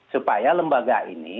supaya lembaga ini